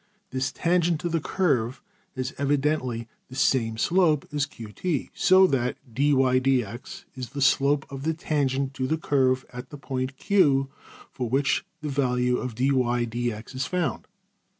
This tangent to the curve has evidently the same slope as~$QT$, so that $\dfrac{dy}{dx}$ is the slope of the tangent to the curve at the point~$Q$ for which the value of~$\dfrac{dy}{dx}$ is found.